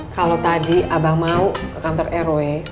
kalau tadi abang mau ke kantor rw